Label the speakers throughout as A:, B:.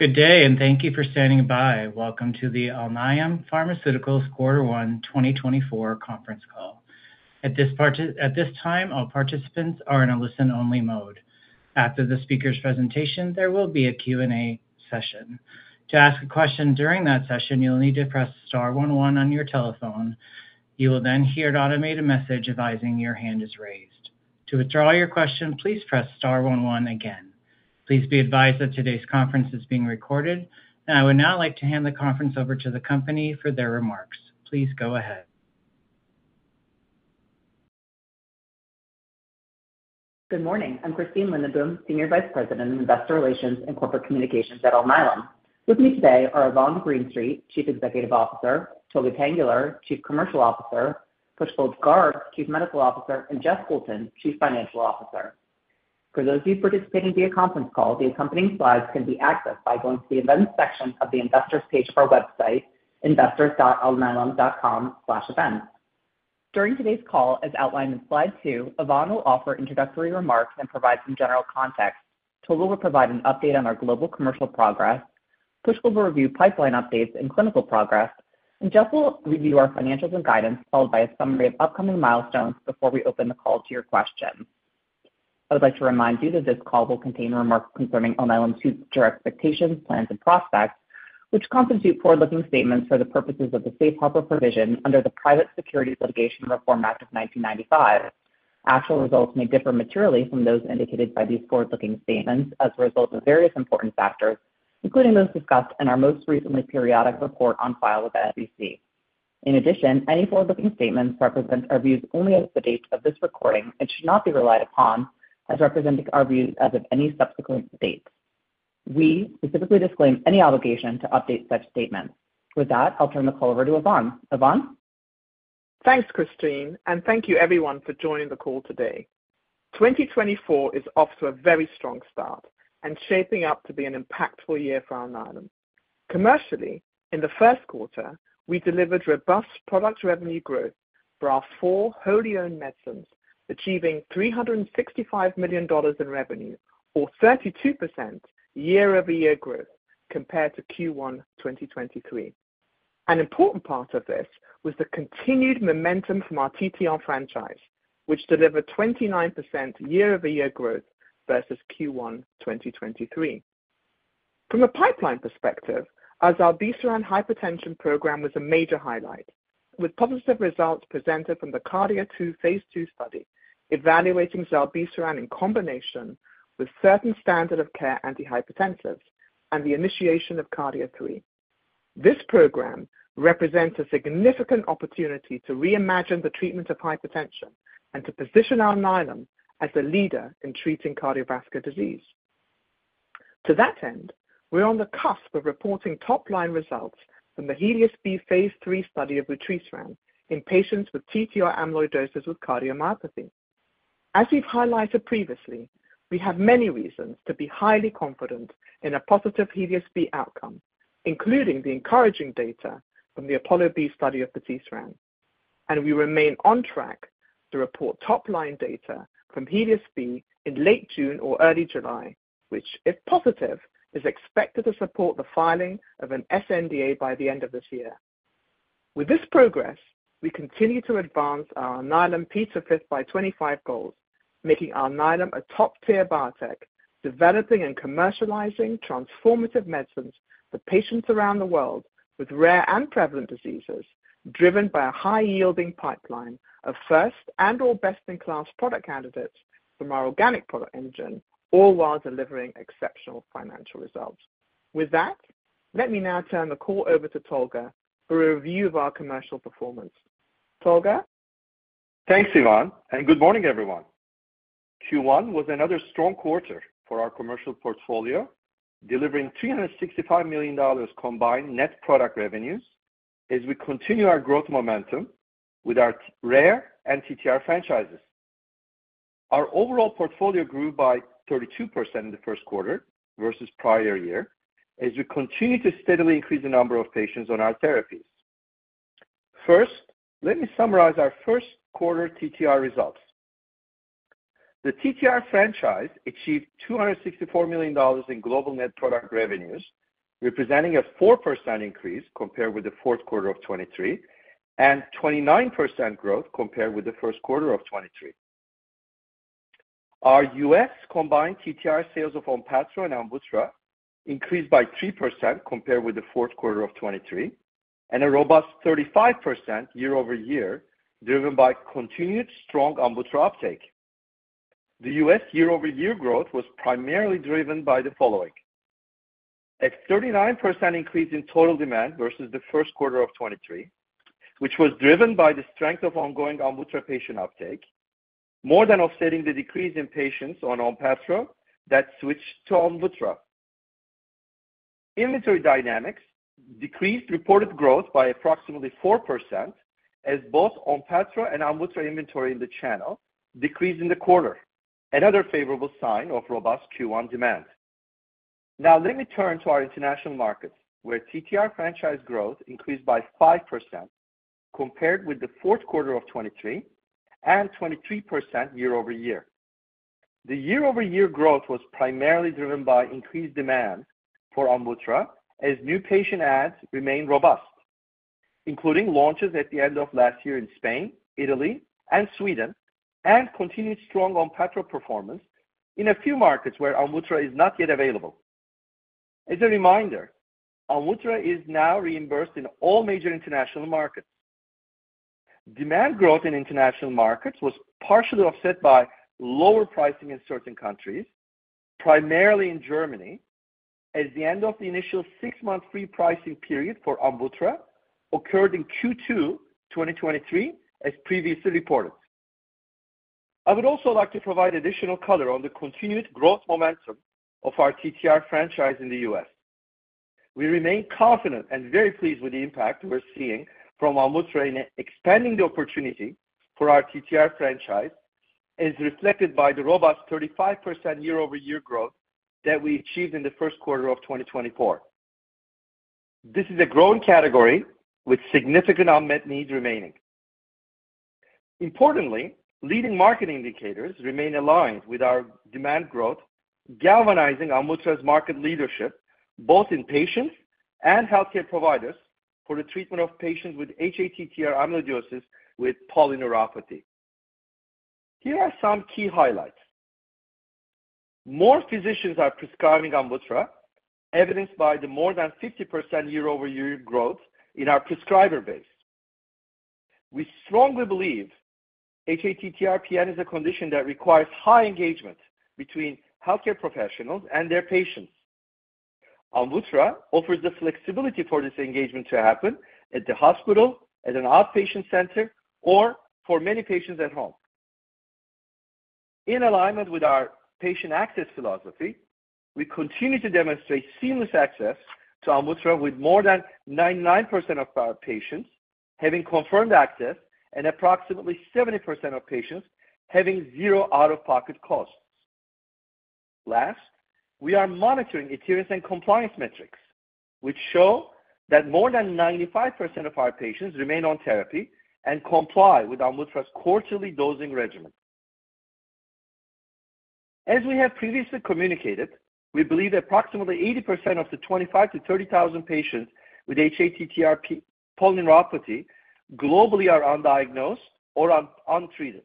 A: Good day, and thank you for standing by. Welcome to the Alnylam Pharmaceuticals Q1 2024 Conference Call. At this time, all participants are in a listen-only mode. After the speaker's presentation, there will be a Q&A session. To ask a question during that session, you'll need to press star one one on your telephone. You will then hear an automated message advising your hand is raised. To withdraw your question, please press star one one again. Please be advised that today's conference is being recorded. I would now like to hand the conference over to the company for their remarks. Please go ahead.
B: Good morning. I'm Christine Lindenboom, Senior Vice President of Investor Relations and Corporate Communications at Alnylam. With me today are Yvonne Greenstreet, Chief Executive Officer, Tolga Tanguler, Chief Commercial Officer, Pushkal Garg, Chief Medical Officer, and Jeff Poulton, Chief Financial Officer. For those of you participating via conference call, the accompanying slides can be accessed by going to the Events section of the Investors page of our website, investors.alnylam.com/events. During today's call, as outlined in slide two, Yvonne will offer introductory remarks and provide some general context. Tolga will provide an update on our global commercial progress. Push will review pipeline updates and clinical progress, and Jeff will review our financials and guidance, followed by a summary of upcoming milestones before we open the call to your questions. I would like to remind you that this call will contain remarks concerning Alnylam's future expectations, plans, and prospects, which constitute forward-looking statements for the purposes of the safe harbor provision under the Private Securities Litigation Reform Act of 1995. Actual results may differ materially from those indicated by these forward-looking statements as a result of various important factors, including those discussed in our most recent periodic report on file with the SEC. In addition, any forward-looking statements represent our views only as of the date of this recording and should not be relied upon as representing our views as of any subsequent date. We specifically disclaim any obligation to update such statements. With that, I'll turn the call over to Yvonne. Yvonne?
C: Thanks, Christine, and thank you everyone for joining the call today. 2024 is off to a very strong start and shaping up to be an impactful year for Alnylam. Commercially, in the Q1, we delivered robust product revenue growth for our four wholly owned medicines, achieving $365 million in revenue, or 32% year-over-year growth compared to Q1 2023. An important part of this was the continued momentum from our TTR franchise, which delivered 29% year-over-year growth versus Q1 2023. From a pipeline perspective, our zilebesiran hypertension program was a major highlight, with positive results presented from the KARDIA-2 phase II study, evaluating zilebesiran in combination with certain standard of care antihypertensives and the initiation of KARDIA-3. This program represents a significant opportunity to reimagine the treatment of hypertension and to position Alnylam as the leader in treating cardiovascular disease. To that end, we're on the cusp of reporting top-line results from the HELIOS-B phase III study of vutrisiran in patients with ATTR amyloidosis with cardiomyopathy. As we've highlighted previously, we have many reasons to be highly confident in a positive HELIOS-B outcome, including the encouraging data from the APOLLO-B study of vutrisiran, and we remain on track to report top-line data from HELIOS-B in late June or early July, which, if positive, is expected to support the filing of an sNDA by the end of this year. With this progress, we continue to advance our Alnylam P5x25 goals, making Alnylam a top-tier biotech, developing and commercializing transformative medicines for patients around the world with rare and prevalent diseases, driven by a high-yielding pipeline of first and/or best-in-class product candidates from our organic product engine, all while delivering exceptional financial results. With that, let me now turn the call over to Tolga for a review of our commercial performance. Tolga?
D: Thanks, Yvonne, and good morning, everyone. Q1 was another strong quarter for our commercial portfolio, delivering $365 million combined net product revenues as we continue our growth momentum with our rare and TTR franchises. Our overall portfolio grew by 32% in the Q1 versus prior year, as we continue to steadily increase the number of patients on our therapies. First, let me summarize our Q1 TTR results. The TTR franchise achieved $264 million in global net product revenues, representing a 4% increase compared with the Q4 of 2023, and 29% growth compared with the Q1 of 2023. Our U.S. combined TTR sales of ONPATTRO and AMVUTTRA increased by 3% compared with the Q4 of 2023, and a robust 35% year-over-year, driven by continued strong AMVUTTRA uptake. The U.S. year-over-year growth was primarily driven by the following: a 39% increase in total demand versus the Q1 of 2023, which was driven by the strength of ongoing AMVUTTRA patient uptake, more than offsetting the decrease in patients on ONPATTRO that switched to AMVUTTRA. Inventory dynamics decreased reported growth by approximately 4%, as both ONPATTRO and AMVUTTRA inventory in the channel decreased in the quarter, another favorable sign of robust Q1 demand. Now, let me turn to our international markets, where TTR franchise growth increased by 5% compared with the Q4 of 2023, and 23% year-over-year. The year-over-year growth was primarily driven by increased demand for AMVUTTRA, as new patient adds remained robust, including launches at the end of last year in Spain, Italy, and Sweden, and continued strong AMVUTTRA performance in a few markets where AMVUTTRA is not yet available. As a reminder, AMVUTTRA is now reimbursed in all major international markets. Demand growth in international markets was partially offset by lower pricing in certain countries, primarily in Germany, as the end of the initial six-month free pricing period for AMVUTTRA occurred in Q2 2023, as previously reported. I would also like to provide additional color on the continued growth momentum of our TTR franchise in the U.S. We remain confident and very pleased with the impact we're seeing from AMVUTTRA in expanding the opportunity for our TTR franchise, as reflected by the robust 35% year-over-year growth that we achieved in the Q1 of 2024. This is a growing category with significant unmet needs remaining. Importantly, leading market indicators remain aligned with our demand growth, galvanizing AMVUTTRA's market leadership, both in patients and healthcare providers, for the treatment of patients with hATTR amyloidosis, with polyneuropathy. Here are some key highlights. More physicians are prescribing AMVUTTRA, evidenced by the more than 50% year-over-year growth in our prescriber base. We strongly believe hATTR PN is a condition that requires high engagement between healthcare professionals and their patients. AMVUTTRA offers the flexibility for this engagement to happen at the hospital, at an outpatient center, or for many patients, at home. In alignment with our patient access philosophy, we continue to demonstrate seamless access to AMVUTTRA, with more than 99% of our patients having confirmed access and approximately 70% of patients having zero out-of-pocket costs. Last, we are monitoring adherence and compliance metrics, which show that more than 95% of our patients remain on therapy and comply with AMVUTTRA's quarterly dosing regimen. As we have previously communicated, we believe approximately 80% of the 25,000-30,000 patients with hATTR polyneuropathy globally are undiagnosed or untreated,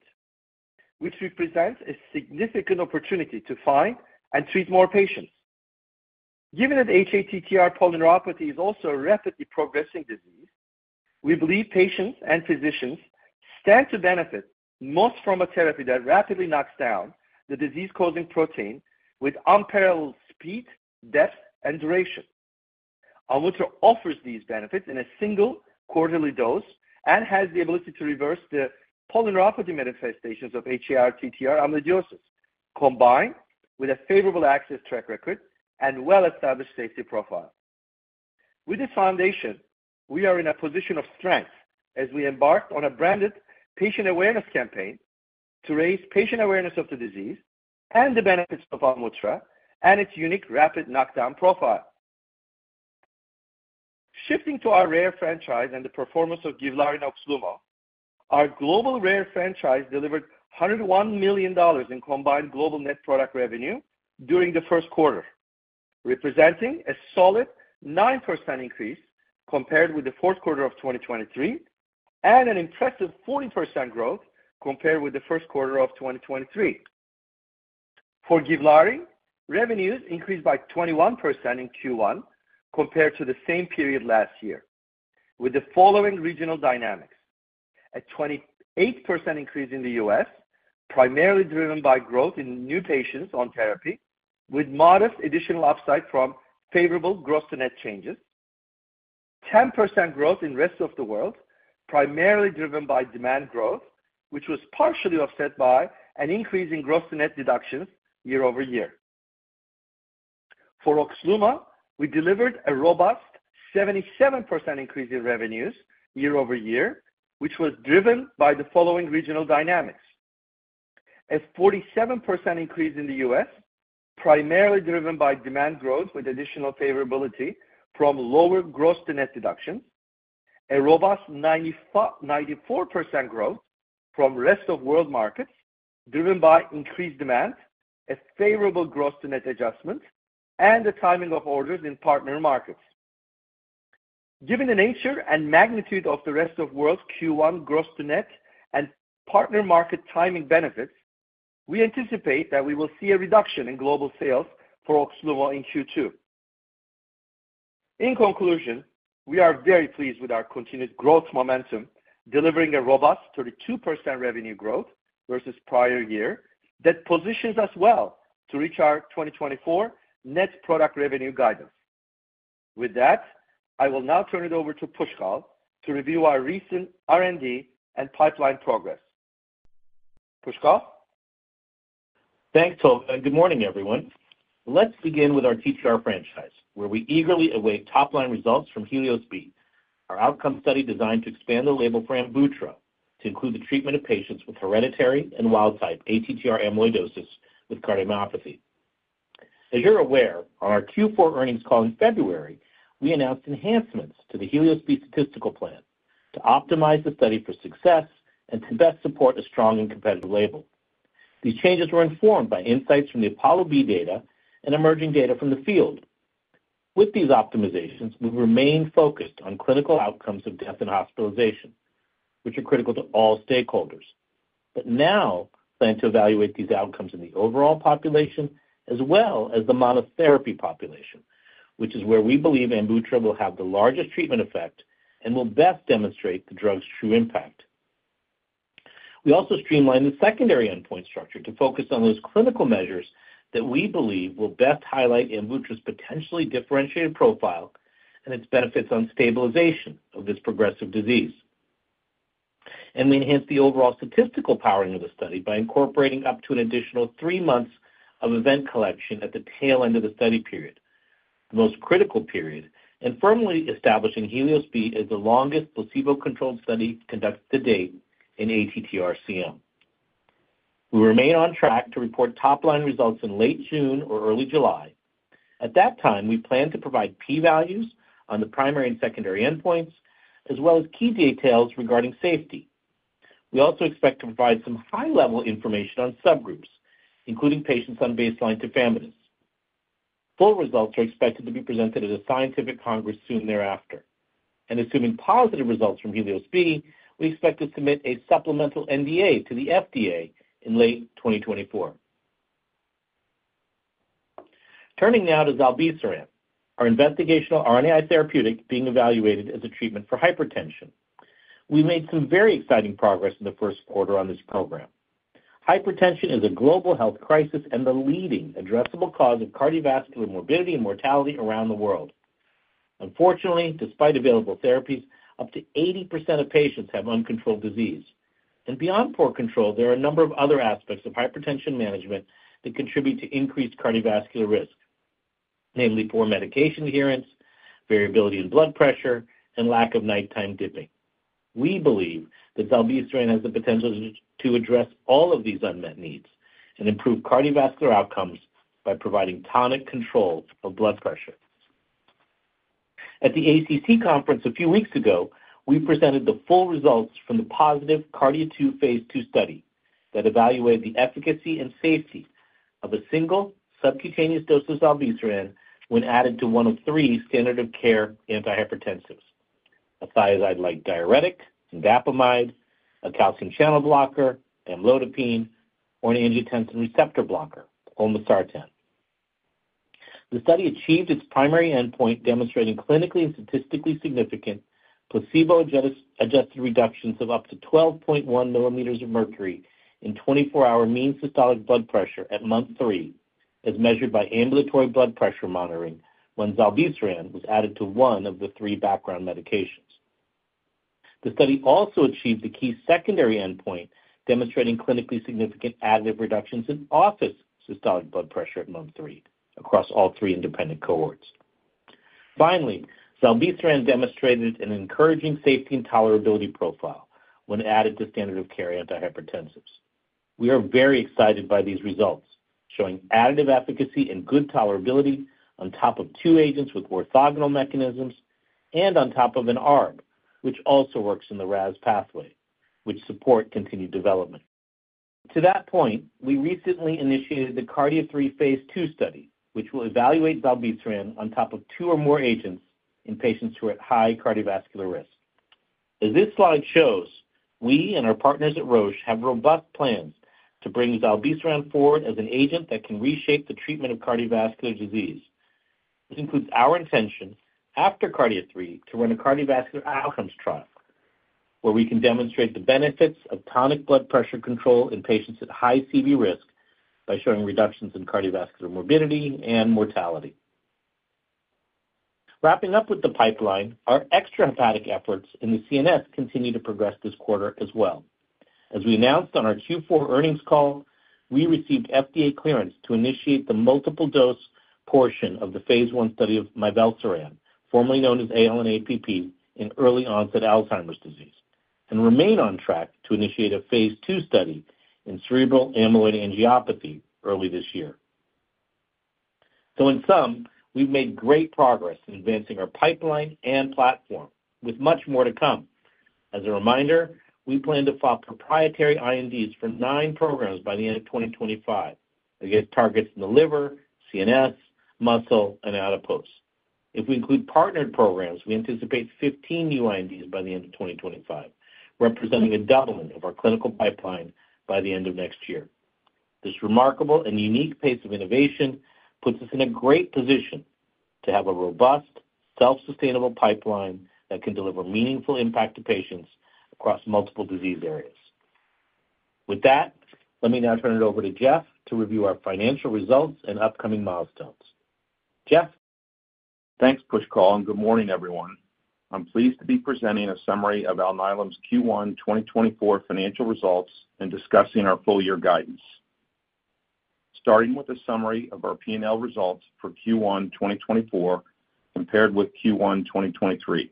D: which represents a significant opportunity to find and treat more patients. Given that hATTR polyneuropathy is also a rapidly progressing disease, we believe patients and physicians stand to benefit most from a therapy that rapidly knocks down the disease-causing protein with unparalleled speed, depth, and duration. AMVUTTRA offers these benefits in a single quarterly dose and has the ability to reverse the polyneuropathy manifestations of hATTR TTR amyloidosis, combined with a favorable access track record and well-established safety profile. With this foundation, we are in a position of strength as we embark on a branded patient awareness campaign to raise patient awareness of the disease and the benefits of AMVUTTRA and its unique rapid knockdown profile. Shifting to our rare franchise and the performance of GIVLAARI, OXLUMO, our global rare franchise delivered $101 million in combined global net product revenue during the Q1, representing a solid 9% increase compared with the Q4 of 2023, and an impressive 40% growth compared with the Q1 of 2023. For GIVLAARI, revenues increased by 21% in Q1 compared to the same period last year, with the following regional dynamics: A 28% increase in the U.S., primarily driven by growth in new patients on therapy, with modest additional upside from favorable gross to net changes. 10% growth in rest of the world, primarily driven by demand growth, which was partially offset by an increase in gross to net deductions year-over-year. For OXLUMO, we delivered a robust 77% increase in revenues year-over-year, which was driven by the following regional dynamics. A 47% increase in the U.S., primarily driven by demand growth with additional favorability from lower gross to net deductions. A robust 94% growth from rest of world markets, driven by increased demand, a favorable gross to net adjustment, and the timing of orders in partner markets. Given the nature and magnitude of the rest of world's Q1 gross to net and partner market timing benefits, we anticipate that we will see a reduction in global sales for OXLUMO in Q2. In conclusion, we are very pleased with our continued growth momentum, delivering a robust 32% revenue growth versus prior year, that positions us well to reach our 2024 net product revenue guidance. With that, I will now turn it over to Pushkal to review our recent R&D and pipeline progress. Pushkal?
E: Thanks, Tolga. Good morning, everyone. Let's begin with our TTR franchise, where we eagerly await top-line results from HELIOS-B, our outcome study designed to expand the label for AMVUTTRA, to include the treatment of patients with hereditary and wild-type ATTR amyloidosis with cardiomyopathy. As you're aware, on our Q4 earnings call in February, we announced enhancements to the HELIOS-B statistical plan to optimize the study for success and to best support a strong and competitive label. These changes were informed by insights from the APOLLO-B data and emerging data from the field. With these optimizations, we've remained focused on clinical outcomes of death and hospitalization, which are critical to all stakeholders, but now plan to evaluate these outcomes in the overall population as well as the monotherapy population, which is where we believe AMVUTTRA will have the largest treatment effect and will best demonstrate the drug's true impact. We also streamlined the secondary endpoint structure to focus on those clinical measures that we believe will best highlight AMVUTTRA's potentially differentiated profile and its benefits on stabilization of this progressive disease. We enhanced the overall statistical powering of the study by incorporating up to an additional three months of event collection at the tail end of the study period, the most critical period, and firmly establishing HELIOS-B as the longest placebo-controlled study conducted to date in ATTR-CM. We remain on track to report top-line results in late June or early July. At that time, we plan to provide P values on the primary and secondary endpoints, as well as key details regarding safety. We also expect to provide some high-level information on subgroups, including patients on baseline tafamidis. Full results are expected to be presented at a scientific congress soon thereafter. Assuming positive results from HELIOS-B, we expect to submit a supplemental NDA to the FDA in late 2024. Turning now to zilebesiran, our investigational RNAi therapeutic being evaluated as a treatment for hypertension. We made some very exciting progress in the Q1 on this program. Hypertension is a global health crisis and the leading addressable cause of cardiovascular morbidity and mortality around the world. Unfortunately, despite available therapies, up to 80% of patients have uncontrolled disease. Beyond poor control, there are a number of other aspects of hypertension management that contribute to increased cardiovascular risk, namely poor medication adherence, variability in blood pressure, and lack of nighttime dipping. We believe that zilebesiran has the potential to address all of these unmet needs and improve cardiovascular outcomes by providing tonic control of blood pressure. At the ACC conference a few weeks ago, we presented the full results from the positive KARDIA-2 phase II study that evaluated the efficacy and safety of a single subcutaneous dose of zilebesiran when added to one of three standard of care antihypertensives: a thiazide-like diuretic, indapamide, a calcium channel blocker, amlodipine, or an angiotensin receptor blocker, olmesartan. The study achieved its primary endpoint, demonstrating clinically and statistically significant placebo-adjusted reductions of up to 12.1 mm of mercury in 24-hour mean systolic blood pressure at month three, as measured by ambulatory blood pressure monitoring when zilebesiran was added to one of the three background medications. The study also achieved a key secondary endpoint, demonstrating clinically significant additive reductions in office systolic blood pressure at month three across all three independent cohorts. Finally, zilebesiran demonstrated an encouraging safety and tolerability profile when added to standard of care antihypertensives. We are very excited by these results, showing additive efficacy and good tolerability on top of two agents with orthogonal mechanisms and on top of an ARB, which also works in the RAS pathway, which support continued development. To that point, we recently initiated the KARDIA-3 phase II study, which will evaluate zilebesiran on top of two or more agents in patients who are at high cardiovascular risk. As this slide shows, we and our partners at Roche have robust plans to bring zilebesiran forward as an agent that can reshape the treatment of cardiovascular disease. This includes our intention, after KARDIA-3, to run a cardiovascular outcomes trial, where we can demonstrate the benefits of tonic blood pressure control in patients at high CV risk by showing reductions in cardiovascular morbidity and mortality. Wrapping up with the pipeline, our extrahepatic efforts in the CNS continue to progress this quarter as well. As we announced on our Q4 earnings call, we received FDA clearance to initiate the multiple dose portion of the phase I study of mivelsiran, formerly known as ALN-APP, in early-onset Alzheimer's disease and remain on track to initiate a phase II study in cerebral amyloid angiopathy early this year. So in sum, we've made great progress in advancing our pipeline and platform, with much more to come. As a reminder, we plan to file proprietary INDs for nine programs by the end of 2025 against targets in the liver, CNS, muscle, and adipose. If we include partnered programs, we anticipate 15 new INDs by the end of 2025, representing a doubling of our clinical pipeline by the end of next year. This remarkable and unique pace of innovation puts us in a great position to have a robust, self-sustainable pipeline that can deliver meaningful impact to patients across multiple disease areas. With that, let me now turn it over to Jeff to review our financial results and upcoming milestones. Jeff?
F: Thanks, Pushkal, and good morning, everyone. I'm pleased to be presenting a summary of Alnylam's Q1 2024 financial results and discussing our full-year guidance. Starting with a summary of our P&L results for Q1 2024 compared with Q1 2023.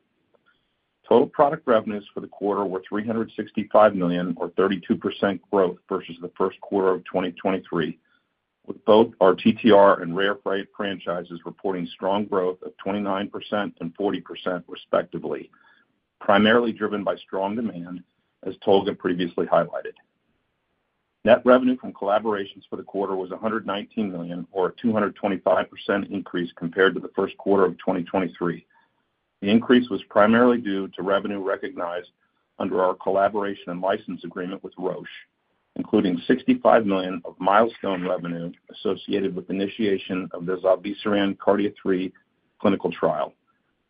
F: Total product revenues for the quarter were $365 million, or 32% growth versus the Q1 of 2023, with both our TTR and rare disease franchises reporting strong growth of 29% and 40%, respectively, primarily driven by strong demand, as Tolga previously highlighted. Net revenue from collaborations for the quarter was $119 million, or a 225% increase compared to the Q1 of 2023. The increase was primarily due to revenue recognized under our collaboration and license agreement with Roche, including $65 million of milestone revenue associated with initiation of the zilebesiran KARDIA-3 clinical trial,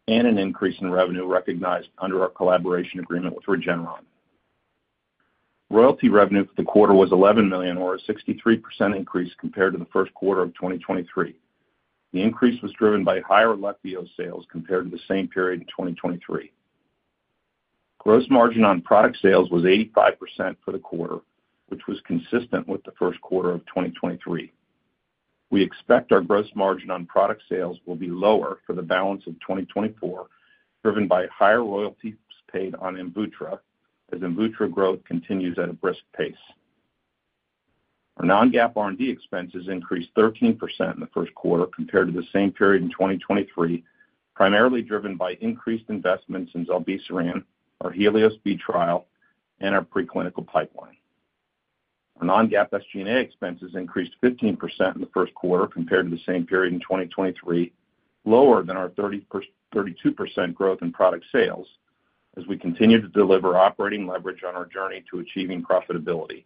F: and an increase in revenue recognized under our collaboration agreement with Regeneron. Royalty revenue for the quarter was $11 million, or a 63% increase compared to the Q1 of 2023. The increase was driven by higher Leqvio sales compared to the same period in 2023. Gross margin on product sales was 85% for the quarter, which was consistent with the Q1 of 2023. We expect our gross margin on product sales will be lower for the balance of 2024, driven by higher royalties paid on AMVUTTRA, as AMVUTTRA growth continues at a brisk pace. Our non-GAAP R&D expenses increased 13% in the Q1 compared to the same period in 2023, primarily driven by increased investments in zilebesiran, our HELIOS-B trial, and our preclinical pipeline. Our non-GAAP SG&A expenses increased 15% in the Q1 compared to the same period in 2023, lower than our 32% growth in product sales, as we continue to deliver operating leverage on our journey to achieving profitability.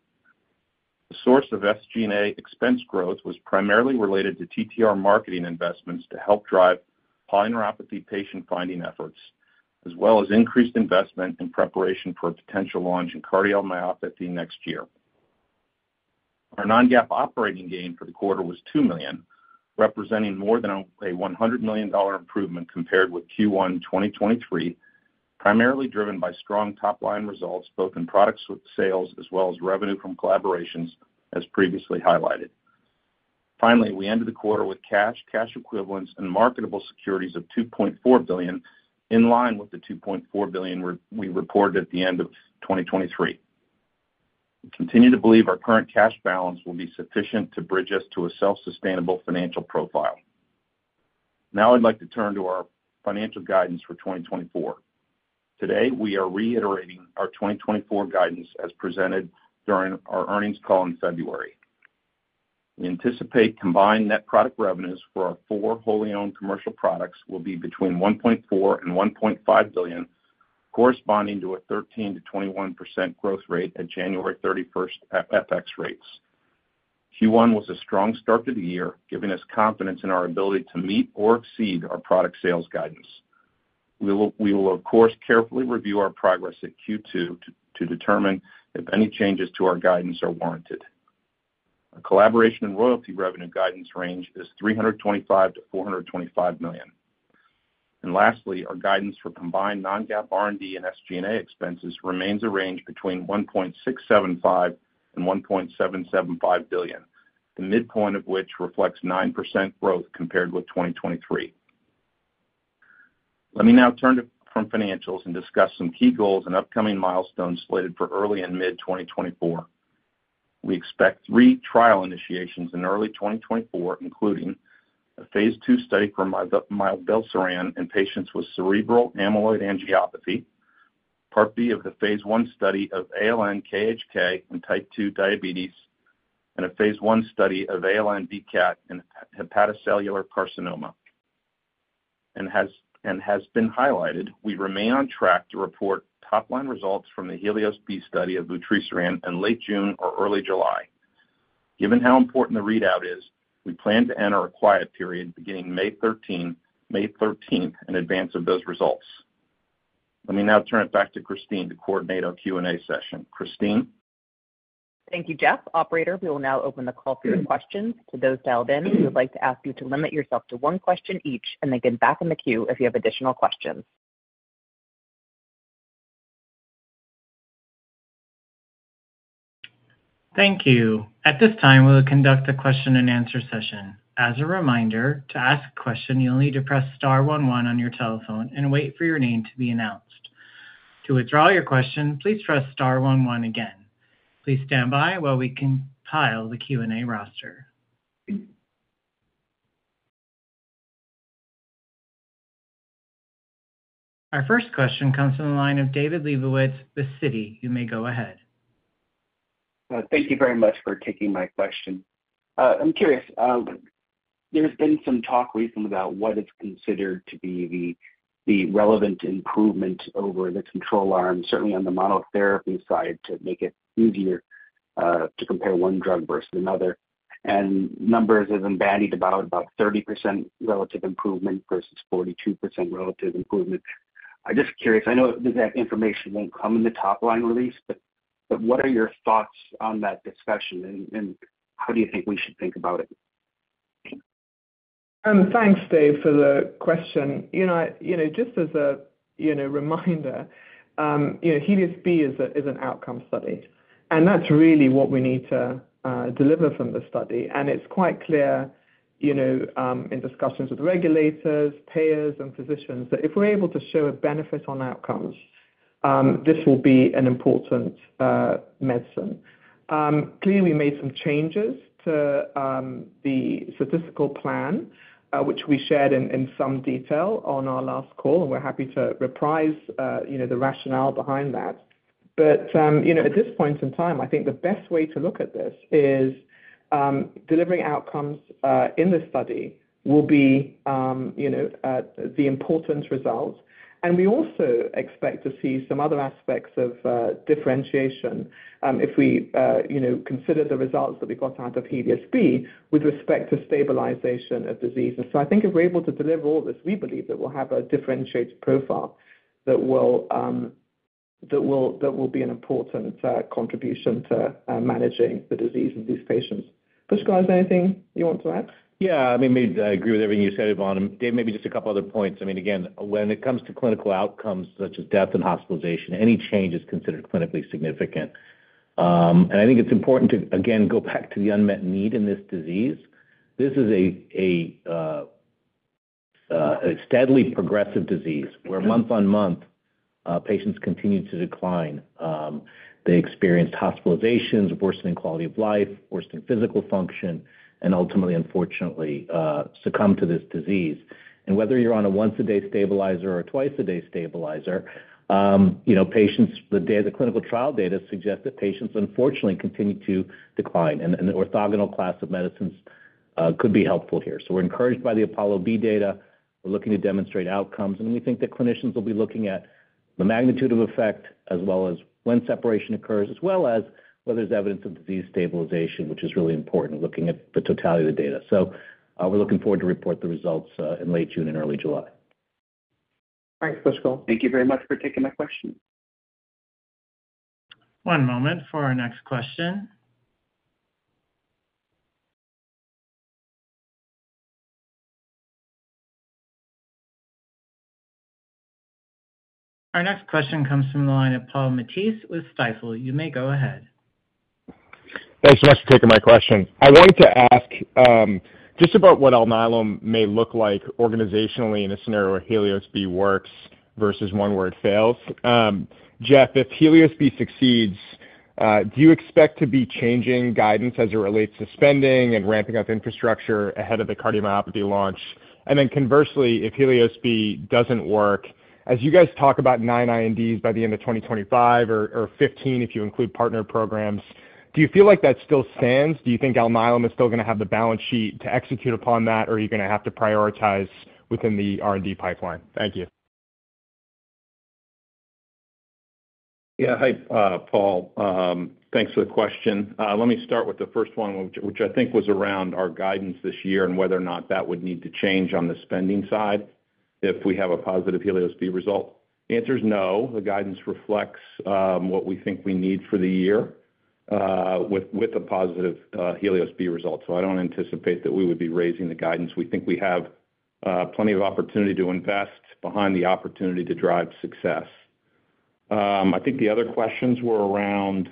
F: The source of SG&A expense growth was primarily related to TTR marketing investments to help drive polyneuropathy patient-finding efforts, as well as increased investment in preparation for a potential launch in cardiomyopathy next year. Our non-GAAP operating gain for the quarter was $2 million, representing more than a $100 million improvement compared with Q1 2023, primarily driven by strong top-line results, both in products with sales as well as revenue from collaborations, as previously highlighted. Finally, we ended the quarter with cash, cash equivalents, and marketable securities of $2.4 billion, in line with the $2.4 billion we reported at the end of 2023. We continue to believe our current cash balance will be sufficient to bridge us to a self-sustainable financial profile. Now I'd like to turn to our financial guidance for 2024. Today, we are reiterating our 2024 guidance as presented during our earnings call in February. We anticipate combined net product revenues for our four wholly owned commercial products will be between $1.4 billion-$1.5 billion, corresponding to a 13%-21% growth rate at January 31st FX rates. Q1 was a strong start to the year, giving us confidence in our ability to meet or exceed our product sales guidance. We will, of course, carefully review our progress at Q2 to determine if any changes to our guidance are warranted. Our collaboration and royalty revenue guidance range is $325 million-$425 million. Lastly, our guidance for combined non-GAAP R&D and SG&A expenses remains a range between $1.675 billion-$1.775 billion, the midpoint of which reflects 9% growth compared with 2023. Let me now turn from financials and discuss some key goals and upcoming milestones slated for early and mid-2024. We expect three trial initiations in early 2024, including a phase II study for mivelsiran in patients with cerebral amyloid angiopathy, Part B of the phase I study of ALN-KHK in Type 2 diabetes, and a phase I study of ALN-BCAT in hepatocellular carcinoma. As has been highlighted, we remain on track to report top-line results from the HELIOS-B study of vutrisiran in late June or early July. Given how important the readout is, we plan to enter a quiet period beginning May 13, in advance of those results. Let me now turn it back to Christine to coordinate our Q&A session. Christine?
B: Thank you, Jeff. Operator, we will now open the call for your questions. To those dialed in, we would like to ask you to limit yourself to one question each and then get back in the queue if you have additional questions.
A: Thank you. At this time, we will conduct a question-and-answer session. As a reminder, to ask a question, you'll need to press star one one on your telephone and wait for your name to be announced. To withdraw your question, please press star one one again. Please stand by while we compile the Q&A roster. Our first question comes from the line of David Lebowitz, Citi. You may go ahead.
G: Thank you very much for taking my question. I'm curious, there's been some talk recently about what is considered to be the relevant improvement over the control arm, certainly on the monotherapy side, to make it easier to compare one drug versus another. And numbers have been bandied about, about 30% relative improvement versus 42% relative improvement. I'm just curious, I know that that information won't come in the top-line release, but what are your thoughts on that discussion? And how do you think we should think about it?
C: Thanks, Dave, for the question. You know, you know, just as a, you know, reminder-... You know, HELIOS-B is an outcome study, and that's really what we need to deliver from the study. And it's quite clear, you know, in discussions with regulators, payers, and physicians, that if we're able to show a benefit on outcomes, this will be an important medicine. Clearly, we made some changes to the statistical plan, which we shared in some detail on our last call, and we're happy to reprise, you know, the rationale behind that. But you know, at this point in time, I think the best way to look at this is delivering outcomes in this study will be, you know, the important result. We also expect to see some other aspects of differentiation, if we, you know, consider the results that we got out of HELIOS-B with respect to stabilization of disease. So I think if we're able to deliver all this, we believe that we'll have a differentiated profile that will, that will, that will be an important contribution to managing the disease in these patients. Pushkal, is there anything you want to add?
E: Yeah, I mean, me, I agree with everything you said, Yvonne. And Dave, maybe just a couple other points. I mean, again, when it comes to clinical outcomes, such as death and hospitalization, any change is considered clinically significant. And I think it's important to, again, go back to the unmet need in this disease. This is a steadily progressive disease, where month-on-month, patients continue to decline. They experience hospitalizations, worsening quality of life, worsening physical function, and ultimately, unfortunately, succumb to this disease. And whether you're on a once-a-day stabilizer or a twice-a-day stabilizer, you know, patients, the data, the clinical trial data suggest that patients unfortunately continue to decline, and the orthogonal class of medicines could be helpful here. So we're encouraged by the APOLLO-B data. We're looking to demonstrate outcomes, and we think that clinicians will be looking at the magnitude of effect, as well as when separation occurs, as well as whether there's evidence of disease stabilization, which is really important, looking at the totality of the data. So, we're looking forward to report the results in late June and early July.
C: Thanks, Pushkal.
G: Thank you very much for taking my question.
A: One moment for our next question. Our next question comes from the line of Paul Matteis with Stifel. You may go ahead.
H: Thanks so much for taking my question. I wanted to ask just about what Alnylam may look like organizationally in a scenario where HELIOS-B works versus one where it fails. Jeff, if HELIOS-B succeeds, do you expect to be changing guidance as it relates to spending and ramping up infrastructure ahead of the cardiomyopathy launch? And then conversely, if HELIOS-B doesn't work, as you guys talk about nine INDs by the end of 2025 or, or 15, if you include partner programs, do you feel like that still stands? Do you think Alnylam is still gonna have the balance sheet to execute upon that, or are you gonna have to prioritize within the R&D pipeline? Thank you.
F: Yeah. Hi, Paul. Thanks for the question. Let me start with the first one, which I think was around our guidance this year and whether or not that would need to change on the spending side if we have a positive HELIOS-B result. The answer is no. The guidance reflects what we think we need for the year with a positive HELIOS-B result. So I don't anticipate that we would be raising the guidance. We think we have plenty of opportunity to invest behind the opportunity to drive success. I think the other questions were around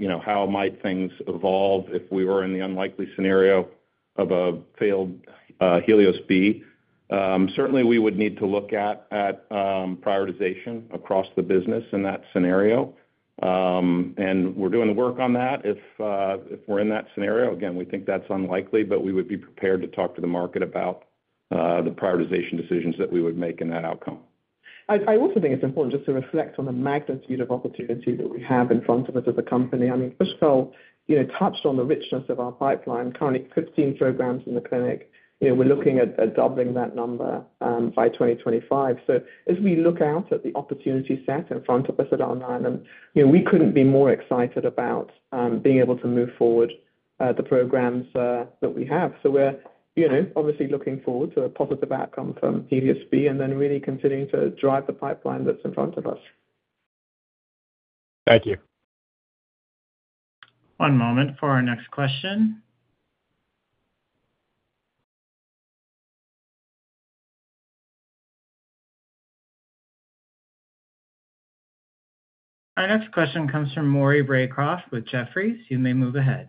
F: you know, how might things evolve if we were in the unlikely scenario of a failed HELIOS-B. Certainly, we would need to look at prioritization across the business in that scenario. And we're doing the work on that if we're in that scenario. Again, we think that's unlikely, but we would be prepared to talk to the market about the prioritization decisions that we would make in that outcome.
C: I also think it's important just to reflect on the magnitude of opportunity that we have in front of us as a company. I mean, Pushkal, you know, touched on the richness of our pipeline, currently 15 programs in the clinic. You know, we're looking at doubling that number by 2025. So as we look out at the opportunity set in front of us at Alnylam, you know, we couldn't be more excited about being able to move forward the programs that we have. So we're, you know, obviously looking forward to a positive outcome from HELIOS-B and then really continuing to drive the pipeline that's in front of us.
H: Thank you.
A: One moment for our next question. Our next question comes from Maury Raycroft with Jefferies. You may move ahead.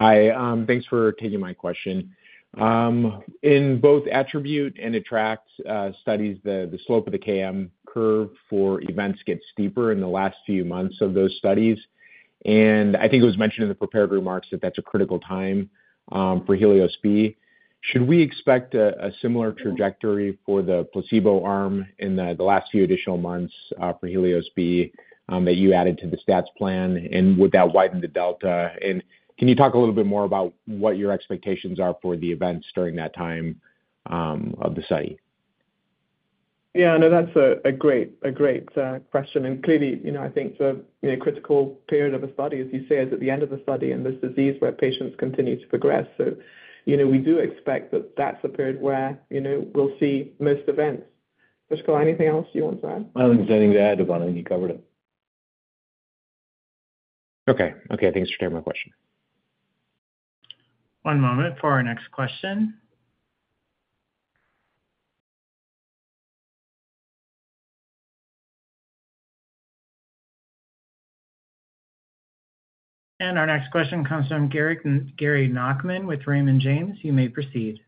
I: Hi, thanks for taking my question. In both ATTR and ATTR-ACT studies, the slope of the KM curve for events gets steeper in the last few months of those studies. And I think it was mentioned in the prepared remarks that that's a critical time for HELIOS-B. Should we expect a similar trajectory for the placebo arm in the last few additional months for HELIOS-B that you added to the stats plan, and would that widen the delta? And can you talk a little bit more about what your expectations are for the events during that time of the study?
C: Yeah, no, that's a great question, and clearly, you know, I think the critical period of a study, as you say, is at the end of the study and this disease where patients continue to progress. So, you know, we do expect that that's a period where, you know, we'll see most events. Pushkal, anything else you want to add?
E: I don't have anything to add, Yvonne. I think you covered it....
I: Okay. Okay, thanks for taking my question.
A: One moment for our next question. Our next question comes from Gary Nachman with Raymond James. You may proceed.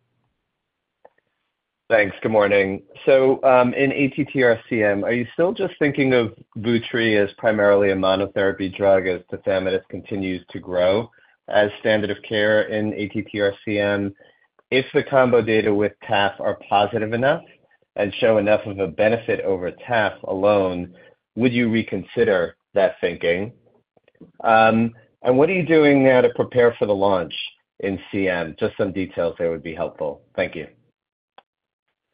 J: Thanks. Good morning. In ATTR-CM, are you still just thinking of vutrisiran as primarily a monotherapy drug as tafamidis continues to grow as standard of care in ATTR-CM? If the combo data with taf are positive enough and show enough of a benefit over taf alone, would you reconsider that thinking? What are you doing now to prepare for the launch in CM? Just some details there would be helpful. Thank you.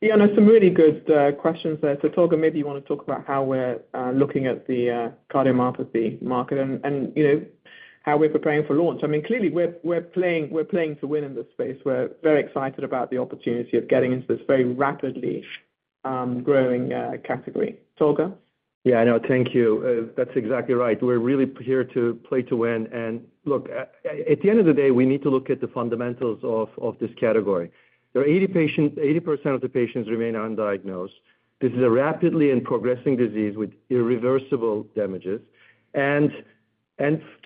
C: Yeah, no, some really good questions there. So Tolga, maybe you want to talk about how we're looking at the cardiomyopathy market and, you know, how we're preparing for launch. I mean, clearly, we're playing to win in this space. We're very excited about the opportunity of getting into this very rapidly growing category. Tolga?
D: Yeah, I know. Thank you. That's exactly right. We're really here to play to win. And look, at the end of the day, we need to look at the fundamentals of this category. There are 80% of the patients remain undiagnosed. This is a rapidly progressing disease with irreversible damages. And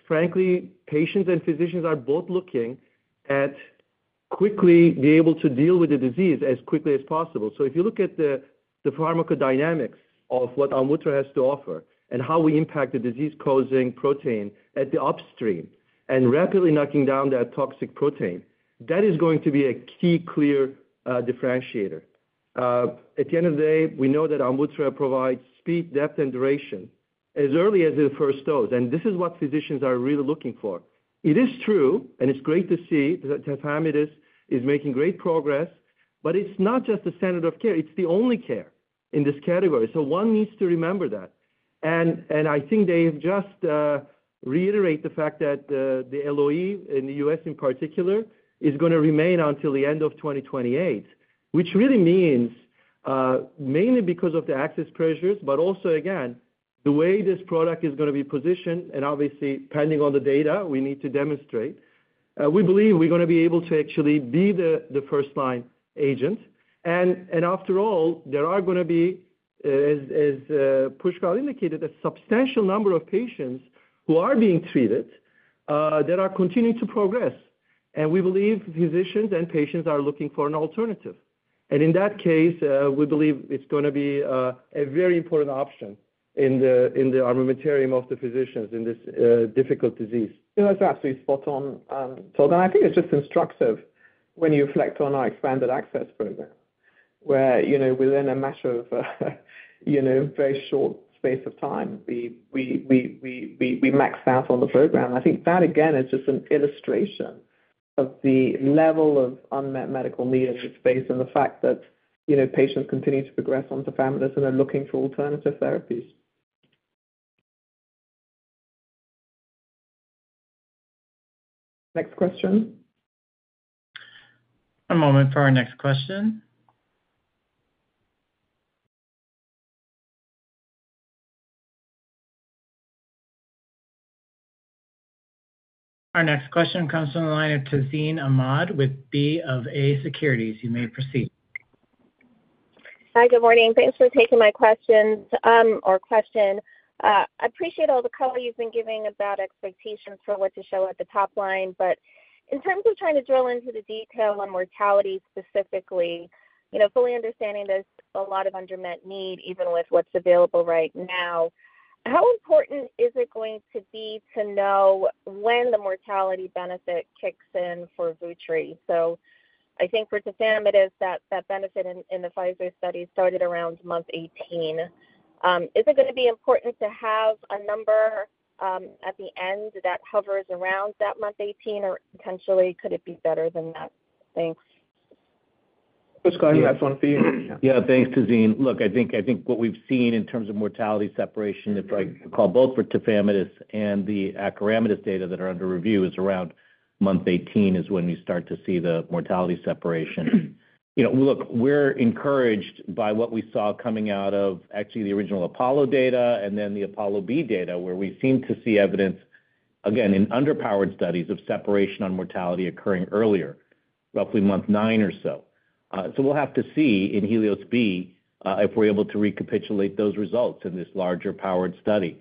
D: frankly, patients and physicians are both looking to quickly be able to deal with the disease as quickly as possible. So if you look at the pharmacodynamics of what AMVUTTRA has to offer and how we impact the disease-causing protein at the upstream, and rapidly knocking down that toxic protein, that is going to be a key clear differentiator. At the end of the day, we know that AMVUTTRA provides speed, depth and duration as early as the first dose, and this is what physicians are really looking for. It is true, and it's great to see that tafamidis is making great progress, but it's not just the standard of care, it's the only care in this category. So one needs to remember that. And, and I think they've just reiterate the fact that the LOE in the U.S. in particular is gonna remain until the end of 2028. Which really means, mainly because of the access pressures, but also again, the way this product is gonna be positioned, and obviously pending on the data we need to demonstrate, we believe we're gonna be able to actually be the first line agent. After all, there are gonna be, as Pushkal indicated, a substantial number of patients who are being treated that are continuing to progress. We believe physicians and patients are looking for an alternative. In that case, we believe it's gonna be a very important option in the armamentarium of the physicians in this difficult disease.
C: Yeah, that's absolutely spot on, Tolga. I think it's just instructive when you reflect on our expanded access program, where, you know, within a matter of, you know, very short space of time, we maxed out on the program. I think that, again, is just an illustration of the level of unmet medical needs in this space and the fact that, you know, patients continue to progress on tafamidis and are looking for alternative therapies. Next question?
A: One moment for our next question. Our next question comes from the line of Tazeen Ahmad with BofA Securities. You may proceed.
K: Hi, good morning. Thanks for taking my questions, or question. I appreciate all the color you've been giving about expectations for what to show at the top line. But in terms of trying to drill into the detail on mortality specifically, you know, fully understanding there's a lot of unmet need, even with what's available right now, how important is it going to be to know when the mortality benefit kicks in for Vutri? So I think for tafamidis, that, that benefit in, in the Pfizer study started around month 18. Is it gonna be important to have a number, at the end that hovers around that month 18, or potentially could it be better than that? Thanks.
C: Pushkal, you have one for you.
E: Yeah, thanks, Tazeen. Look, I think, I think what we've seen in terms of mortality separation, if I call both for tafamidis and the acoramidis data that are under review, is around month 18, is when you start to see the mortality separation. You know, look, we're encouraged by what we saw coming out of actually the original APOLLO data and then the APOLLO-B data, where we seem to see evidence, again, in underpowered studies of separation on mortality occurring earlier, roughly month nine or so. So we'll have to see in HELIOS-B, if we're able to recapitulate those results in this larger powered study.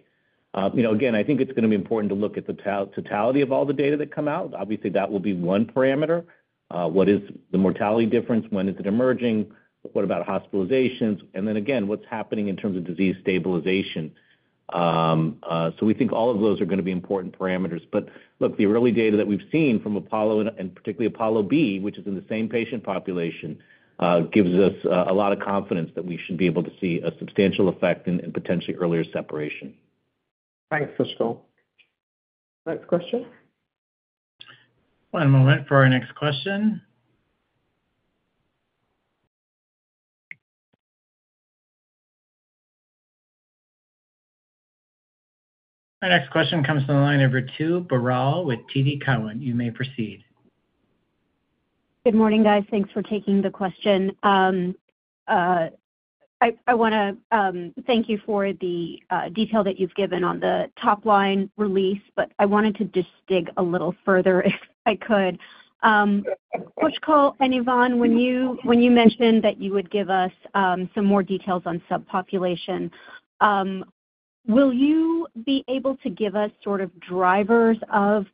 E: You know, again, I think it's gonna be important to look at the totality of all the data that come out. Obviously, that will be one parameter. What is the mortality difference? When is it emerging? What about hospitalizations? Then again, what's happening in terms of disease stabilization? So we think all of those are gonna be important parameters. But look, the early data that we've seen from APOLLO and particularly APOLLO-B, which is in the same patient population, gives us a lot of confidence that we should be able to see a substantial effect and potentially earlier separation.
C: Thanks, Pushkal. Next question?
A: One moment for our next question. Our next question comes from the line of Ritu Baral with TD Cowen. You may proceed.
L: Good morning, guys. Thanks for taking the question. I want to thank you for the detail that you've given on the top line release, but I wanted to just dig a little further if I could. Pushkal and Yvonne, when you mentioned that you would give us some more details on subpopulation, will you be able to give us sort of drivers of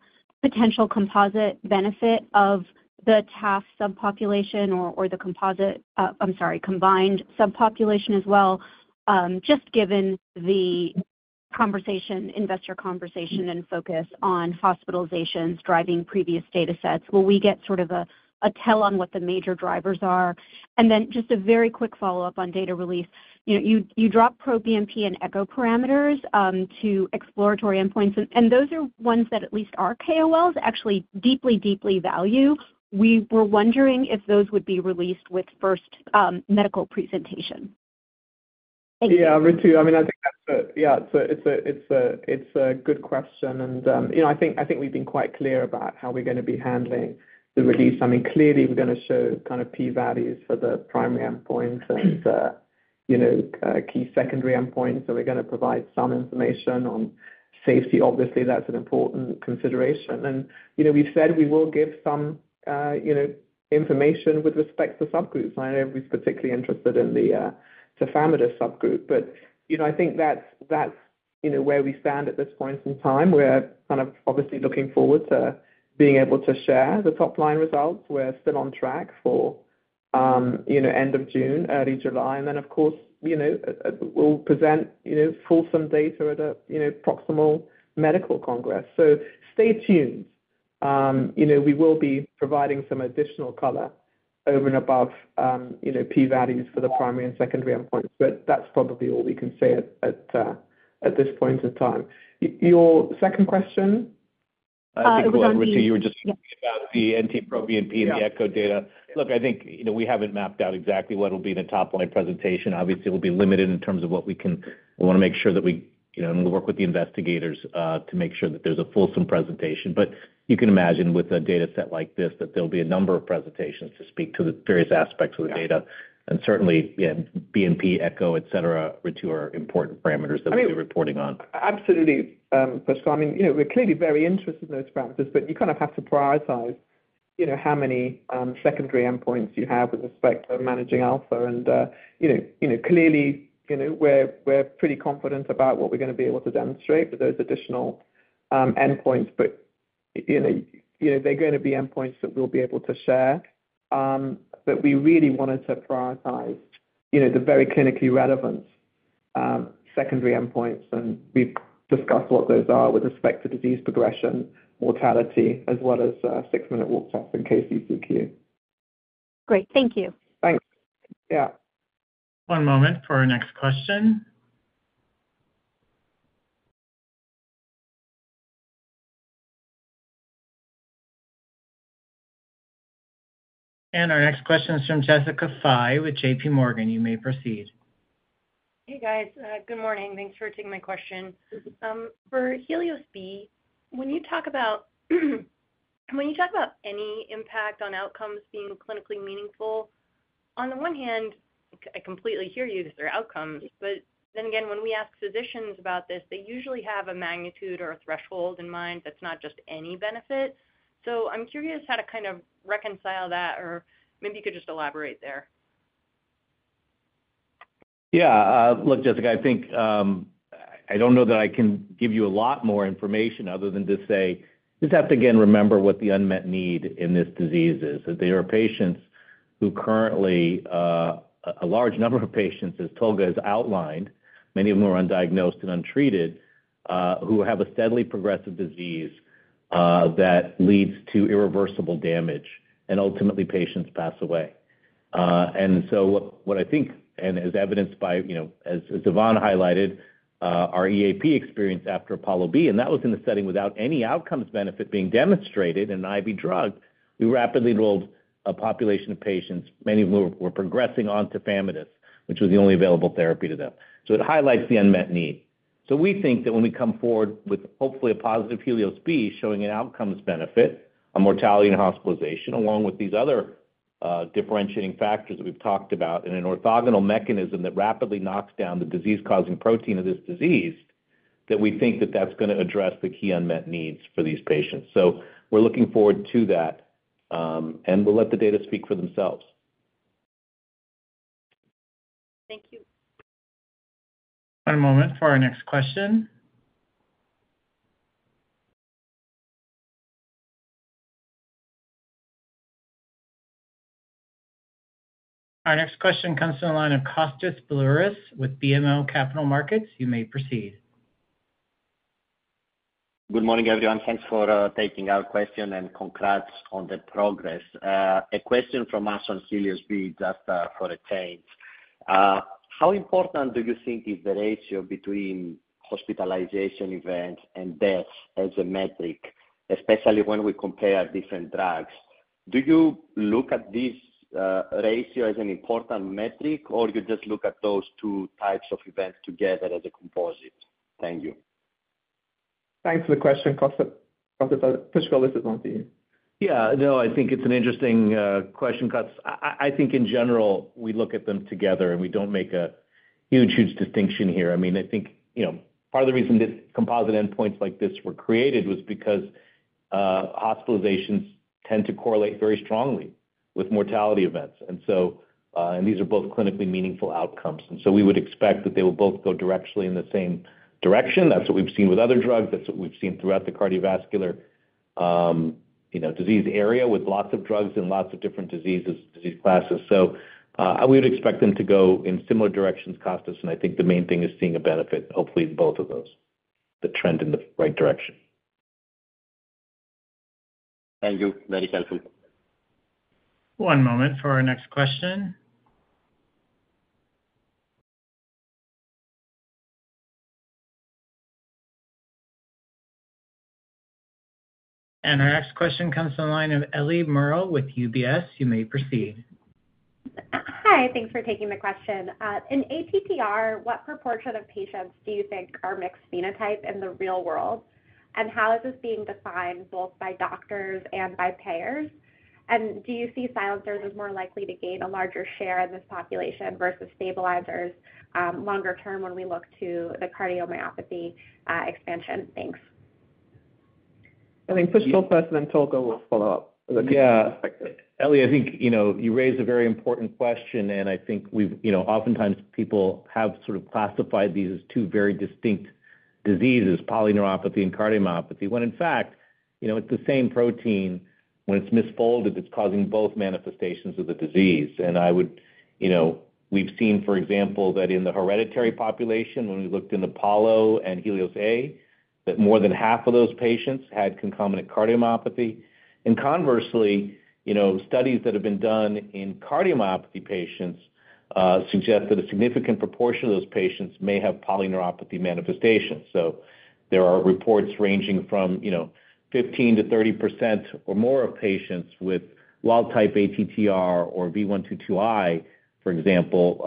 L: potential composite benefit of the TAF subpopulation or the composite... I'm sorry, combined subpopulation as well? Just given the conversation, investor conversation and focus on hospitalizations driving previous datasets, will we get sort of a tell on what the major drivers are? And then just a very quick follow-up on data release. You know, you dropped NT-proBNP and echo parameters to exploratory endpoints, and those are ones that at least our KOLs actually deeply, deeply value. We were wondering if those would be released with first medical presentation.
C: Yeah, Ritu, I mean, I think that's a good question. You know, I think we've been quite clear about how we're going to be handling the release. I mean, clearly, we're going to show kind of p-values for the primary endpoint and, you know, key secondary endpoints. So we're going to provide some information on safety. Obviously, that's an important consideration. You know, we've said we will give some, you know, information with respect to subgroups. I know everybody's particularly interested in the tafamidis subgroup. But, you know, I think that's where we stand at this point in time. We're kind of obviously looking forward to being able to share the top-line results. We're still on track for, you know, end of June, early July. And then, of course, you know, we'll present fulsome data at a proximal medical congress. So stay tuned. You know, we will be providing some additional color over and above p-values for the primary and secondary endpoints, but that's probably all we can say at this point in time. Your second question?
L: It was on the-
E: I think, Ritu, you were just talking about the NT-proBNP and the echo data. Look, I think, you know, we haven't mapped out exactly what will be the top-line presentation. Obviously, it will be limited in terms of what we can... We want to make sure that we, you know, and we'll work with the investigators, to make sure that there's a fulsome presentation. But you can imagine with a dataset like this, that there'll be a number of presentations to speak to the various aspects of the data. And certainly, yeah, BNP, echo, et cetera, Ritu, are important parameters that we'll be reporting on.
C: Absolutely, Pushkal. I mean, you know, we're clearly very interested in those parameters, but you kind of have to prioritize, you know, how many secondary endpoints you have with respect to managing alpha. And, you know, you know, clearly, you know, we're, we're pretty confident about what we're going to be able to demonstrate with those additional endpoints. But, you know, you know, they're going to be endpoints that we'll be able to share. But we really wanted to prioritize, you know, the very clinically relevant secondary endpoints, and we've discussed what those are with respect to disease progression, mortality, as well as 6-minute walk tests and KCCQ.
L: Great. Thank you.
C: Thanks. Yeah.
A: One moment for our next question. Our next question is from Jessica Fye with JP Morgan. You may proceed.
M: Hey, guys. Good morning. Thanks for taking my question. For HELIOS-B, when you talk about any impact on outcomes being clinically meaningful, on the one hand, I completely hear you, these are outcomes. But then again, when we ask physicians about this, they usually have a magnitude or a threshold in mind that's not just any benefit. So I'm curious how to kind of reconcile that, or maybe you could just elaborate there.
E: Yeah, look, Jessica, I think, I don't know that I can give you a lot more information other than just say, just have to again, remember what the unmet need in this disease is. That there are patients who currently, a large number of patients, as Tolga has outlined, many of them are undiagnosed and untreated, who have a steadily progressive disease, that leads to irreversible damage, and ultimately patients pass away. And so what I think, and as evidenced by, you know, as Yvonne highlighted, our EAP experience after APOLLO-B, and that was in a setting without any outcomes benefit being demonstrated in an IV drug. We rapidly enrolled a population of patients, many of whom were progressing on tafamidis, which was the only available therapy to them. So it highlights the unmet need. So we think that when we come forward with hopefully a positive HELIOS-B, showing an outcomes benefit, a mortality and hospitalization, along with these other differentiating factors that we've talked about, in an orthogonal mechanism that rapidly knocks down the disease-causing protein of this disease, that we think that that's going to address the key unmet needs for these patients. So we're looking forward to that, and we'll let the data speak for themselves.
M: Thank you.
A: One moment for our next question. Our next question comes from the line of Kostas Biliouris with BMO Capital Markets. You may proceed.
N: Good morning, everyone. Thanks for taking our question, and congrats on the progress. A question from us on HELIOS-B, just for a change. How important do you think is the ratio between hospitalization events and death as a metric, especially when we compare different drugs? Do you look at this ratio as an important metric, or you just look at those two types of events together as a composite? Thank you.
C: Thanks for the question, Kostas. Pushkal, this is on to you.
E: Yeah, no, I think it's an interesting question, Kostas. I, I, I think in general, we look at them together, and we don't make a huge, huge distinction here. I mean, I think, you know, part of the reason this composite endpoints like this were created was because hospitalizations tend to correlate very strongly with mortality events. And so, and these are both clinically meaningful outcomes, and so we would expect that they will both go directly in the same direction. That's what we've seen with other drugs, that's what we've seen throughout the cardiovascular, you know, disease area, with lots of drugs and lots of different diseases, disease classes. So, I would expect them to go in similar directions, Kostas, and I think the main thing is seeing a benefit, hopefully in both of those, the trend in the right direction.
N: Thank you. Very helpful.
A: One moment for our next question. Our next question comes from the line of Ellie Merle with UBS. You may proceed.
O: Hi, thanks for taking the question. In ATTR, what proportion of patients do you think are mixed phenotype in the real world? And how is this being defined both by doctors and by payers? And do you see silencers as more likely to gain a larger share of this population versus stabilizers, longer term when we look to the cardiomyopathy, expansion? Thanks.
C: I mean, Pushkal, first, and then Tolga will follow up with the-
E: Yeah. Ellie, I think, you know, you raised a very important question, and I think we've you know, oftentimes, people have sort of classified these as two very distinct diseases, polyneuropathy and cardiomyopathy, when in fact, you know, it's the same protein, when it's misfolded, it's causing both manifestations of the disease. And I would. You know, we've seen, for example, that in the hereditary population, when we looked in APOLLO and HELIOS-A, that more than half of those patients had concomitant cardiomyopathy. And conversely, you know, studies that have been done in cardiomyopathy patients suggest that a significant proportion of those patients may have polyneuropathy manifestations. So there are reports ranging from, you know, 15%-30% or more of patients with wild-type ATTR or V122I, for example,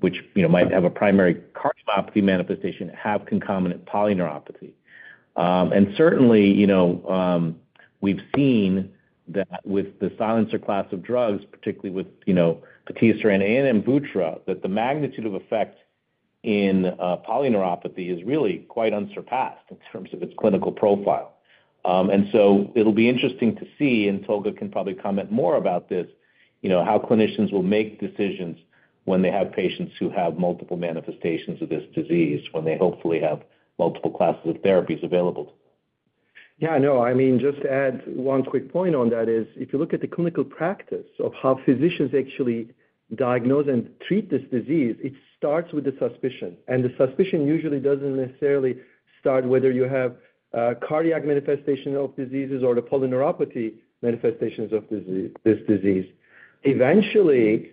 E: which, you know, might have a primary cardiomyopathy manifestation, have concomitant polyneuropathy. And certainly, you know, we've seen that with the silencer class of drugs, particularly with, you know, patisiran and AMVUTTRA, that the magnitude of effect in polyneuropathy is really quite unsurpassed in terms of its clinical profile. And so it'll be interesting to see, and Tolga can probably comment more about this, you know, how clinicians will make decisions when they have patients who have multiple manifestations of this disease, when they hopefully have multiple classes of therapies available.
D: Yeah, I know. I mean, just to add one quick point on that is, if you look at the clinical practice of how physicians actually diagnose and treat this disease, it starts with the suspicion. And the suspicion usually doesn't necessarily start whether you have cardiac manifestation of disease or the polyneuropathy manifestations of this disease. Eventually,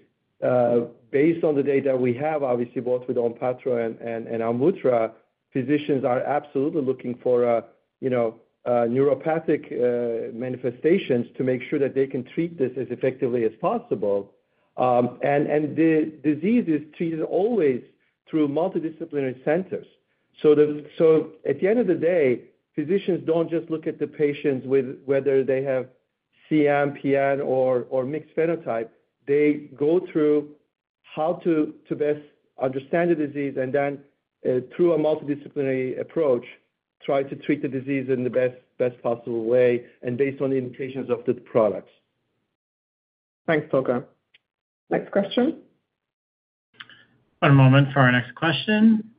D: based on the data we have, obviously, both with ONPATTRO and AMVUTTRA, physicians are absolutely looking for a, you know, neuropathic manifestations to make sure that they can treat this as effectively as possible. And the disease is treated always through multidisciplinary centers. So at the end of the day, physicians don't just look at the patients with whether they have CM, PN, or mixed phenotype. They go through how to best understand the disease, and then, through a multidisciplinary approach, try to treat the disease in the best possible way and based on the indications of the products.
C: Thanks, Tolga. Next question?
A: One moment for our next question.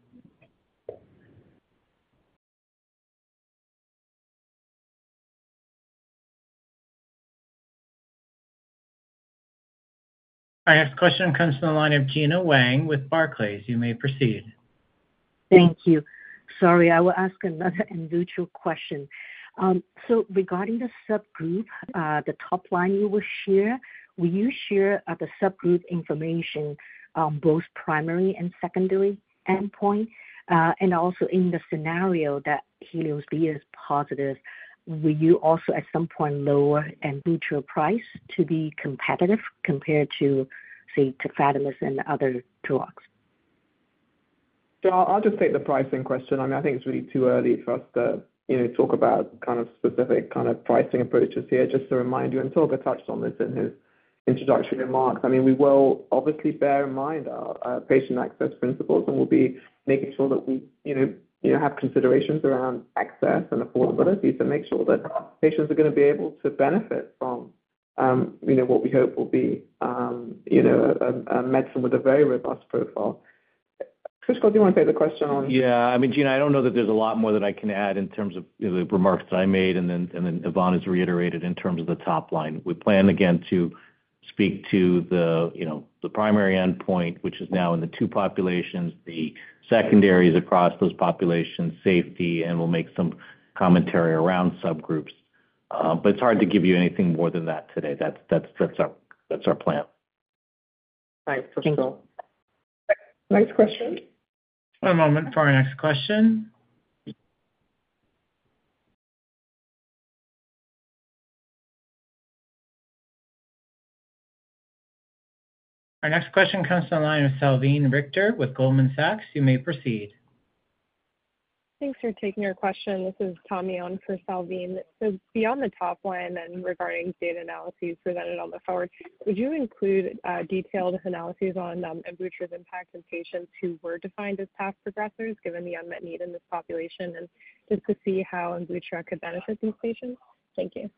A: Our next question comes from the line of Gena Wang with Barclays. You may proceed.
P: Thank you. Sorry, I will ask another individual question. Regarding the subgroup, the top line you will share, will you share the subgroup information on both primary and secondary endpoint? Also in the scenario that HELIOS-B is positive, will you also at some point lower and boost your price to be competitive compared to, say, tafamidis and other drugs?
C: So I'll just take the pricing question. I mean, I think it's really too early for us to, you know, talk about kind of specific kind of pricing approaches here. Just to remind you, and Tolga touched on this in his introductory remarks, I mean, we will obviously bear in mind our patient access principles, and we'll be making sure that we, you know, you know, have considerations around access and affordability to make sure that patients are gonna be able to benefit from, you know, what we hope will be, you know, a medicine with a very robust profile. Pushkal, do you want to take the question on-
E: Yeah. I mean, Gena, I don't know that there's a lot more that I can add in terms of, you know, the remarks that I made, and then Yvonne has reiterated in terms of the top line. We plan, again, to speak to the, you know, the primary endpoint, which is now in the two populations, the secondaries across those populations, safety, and we'll make some commentary around subgroups. But it's hard to give you anything more than that today. That's our plan.
C: Thanks, Pushkal. Next question?
A: One moment for our next question. Our next question comes to the line of Salveen Richter with Goldman Sachs. You may proceed.
Q: Thanks for taking our question. This is Tommie on for Salveen. Beyond the top line and regarding data analysis presented on the forward, would you include detailed analyses on AMVUTTRA's impact on patients who were defined as past progressors, given the unmet need in this population, and just to see how AMVUTTRA could benefit these patients? Thank you.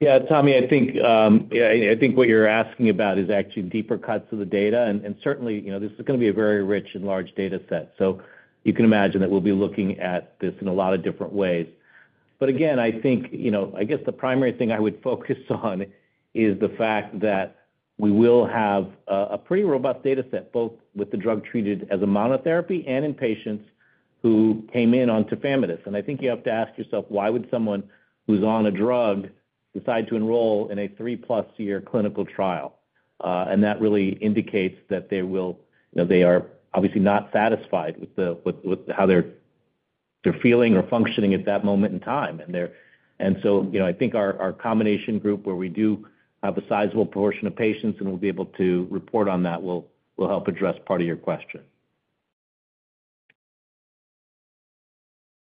E: Yeah, Tommie, I think, yeah, I think what you're asking about is actually deeper cuts of the data, and certainly, you know, this is gonna be a very rich and large data set. So you can imagine that we'll be looking at this in a lot of different ways. But again, I think, you know, I guess the primary thing I would focus on is the fact that we will have a pretty robust data set, both with the drug treated as a monotherapy and in patients who came in on tafamidis. And I think you have to ask yourself, why would someone who's on a drug decide to enroll in a three-plus year clinical trial? And that really indicates that they will... You know, they are obviously not satisfied with how they're feeling or functioning at that moment in time. And so, you know, I think our combination group, where we do have a sizable portion of patients, and we'll be able to report on that, will help address part of your question.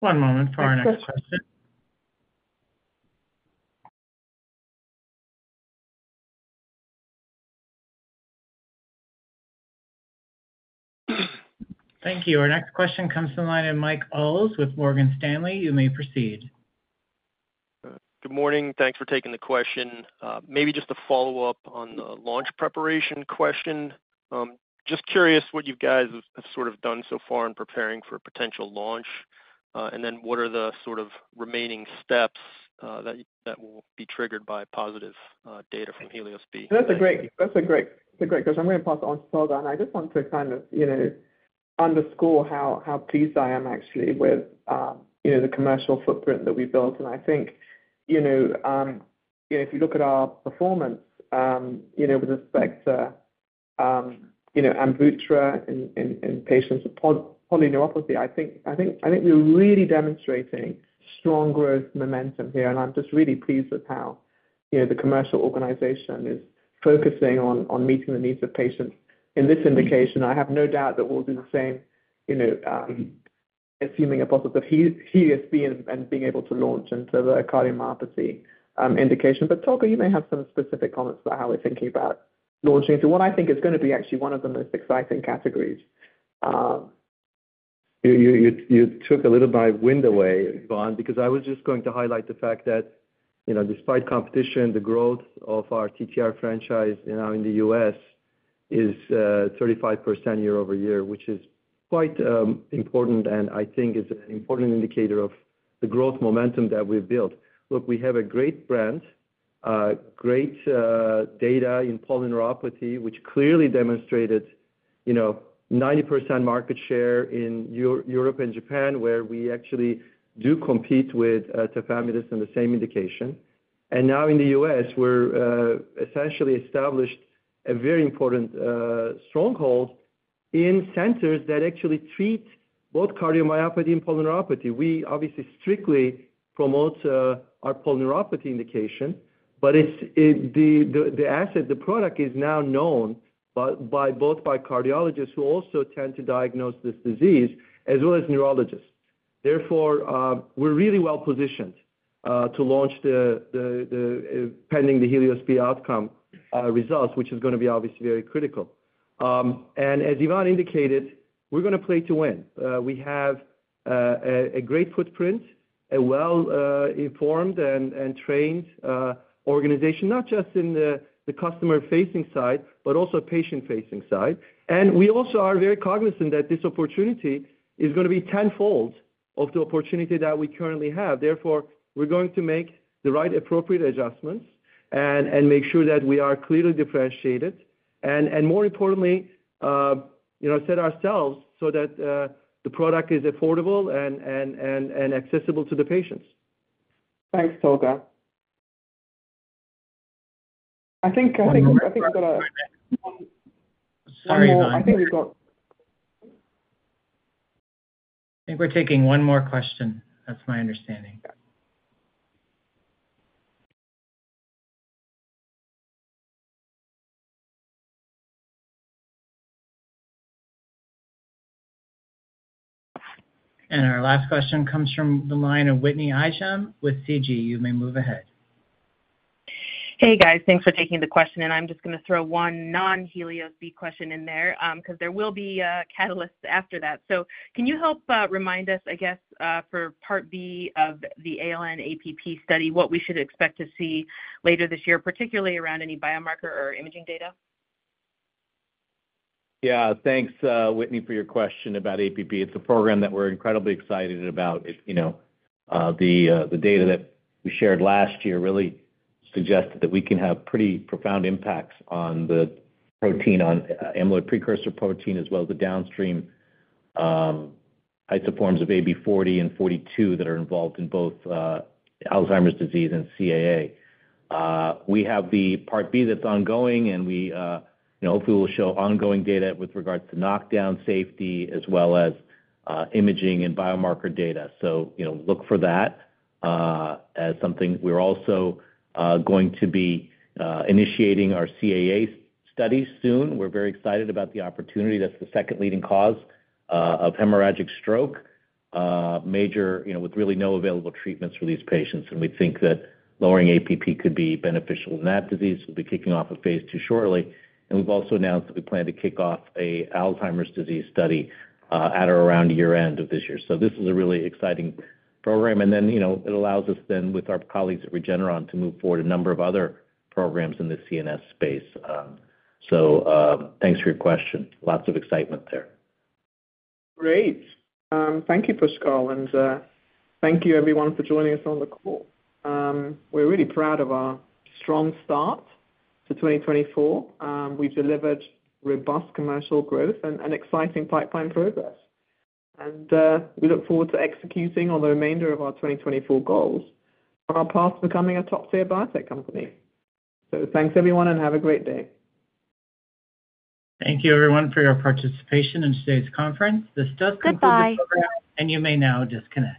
A: One moment for our next question. Thank you. Our next question comes from the line of Mike Ulz with Morgan Stanley. You may proceed.
R: Good morning. Thanks for taking the question. Maybe just to follow up on the launch preparation question. Just curious what you guys have sort of done so far in preparing for a potential launch, and then what are the sort of remaining steps that will be triggered by positive data from HELIOS-B?
C: That's a great question. I'm gonna pass on to Tolga, and I just want to kind of, you know, underscore how, how pleased I am actually with, you know, the commercial footprint that we built. And I think, you know, you know, if you look at our performance, you know, with respect to, you know, AMVUTTRA in, in, in patients with polyneuropathy, I think, I think, I think we're really demonstrating strong growth momentum here. And I'm just really pleased with how, you know, the commercial organization is focusing on, on meeting the needs of patients. In this indication, I have no doubt that we'll do the same, you know, assuming a positive HELIOS-B and, and being able to launch into the cardiomyopathy, indication. But Tolga, you may have some specific comments about how we're thinking about launching into what I think is gonna be actually one of the most exciting categories.
D: You took a little of my wind away, Yvonne, because I was just going to highlight the fact that, you know, despite competition, the growth of our TTR franchise, you know, in the U.S. is 35% year-over-year, which is quite important, and I think is an important indicator of the growth momentum that we've built. Look, we have a great brand, great data in polyneuropathy, which clearly demonstrated, you know, ninety percent market share in Europe and Japan, where we actually do compete with tafamidis in the same indication. And now in the U.S., we're essentially established a very important stronghold in centers that actually treat both cardiomyopathy and polyneuropathy. We obviously strictly promote our polyneuropathy indication, but it's, it... The asset, the product is now known by both cardiologists who also tend to diagnose this disease, as well as neurologists. Therefore, we're really well positioned to launch, pending the HELIOS-B outcome results, which is gonna be obviously very critical. And as Yvonne indicated, we're gonna play to win. We have a great footprint, a well-informed and trained organization, not just in the customer-facing side, but also patient-facing side. And we also are very cognizant that this opportunity is gonna be tenfold of the opportunity that we currently have. Therefore, we're going to make the right appropriate adjustments and make sure that we are clearly differentiated, and more importantly, you know, set ourselves so that the product is affordable and accessible to the patients.
C: Thanks, Tolga. I think, I think we've got a-
A: Sorry, Yvonne.
C: I think we've got...
A: I think we're taking one more question. That's my understanding. Our last question comes from the line of Whitney Ijem with CG. You may move ahead.
S: Hey, guys. Thanks for taking the question, and I'm just gonna throw one non-HELIOS-B question in there, because there will be catalysts after that. So can you help remind us, I guess, for Part B of the ALN-APP study, what we should expect to see later this year, particularly around any biomarker or imaging data?
E: Yeah. Thanks, Whitney, for your question about APP. It's a program that we're incredibly excited about. You know, the data that we shared last year really suggested that we can have pretty profound impacts on the protein, on amyloid precursor protein, as well as the downstream isoforms of AB 40 and 42 that are involved in both Alzheimer's disease and CAA. We have the Part B that's ongoing, and we, you know, hopefully will show ongoing data with regards to knockdown safety as well as imaging and biomarker data. So, you know, look for that as something. We're also going to be initiating our CAA study soon. We're very excited about the opportunity. That's the second leading cause of hemorrhagic stroke, major, you know, with really no available treatments for these patients, and we think that lowering APP could be beneficial in that disease. We'll be kicking off a phase II shortly, and we've also announced that we plan to kick off an Alzheimer's disease study at around year-end of this year. This is a really exciting program. And then, you know, it allows us then, with our colleagues at Regeneron, to move forward a number of other programs in the CNS space. Thanks for your question. Lots of excitement there.
C: Great. Thank you, Pascal, and thank you everyone for joining us on the call. We're really proud of our strong start to 2024. We've delivered robust commercial growth and an exciting pipeline progress. We look forward to executing on the remainder of our 2024 goals on our path to becoming a top-tier biotech company. Thanks, everyone, and have a great day.
A: Thank you, everyone, for your participation in today's conference. This does conclude-
O: Goodbye.
A: You may now disconnect.